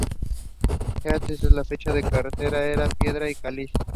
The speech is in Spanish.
Hasta esa fecha la carretera era de piedras y caliche.